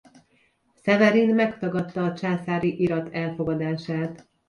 Szeverin megtagadta a császári irat elfogadását.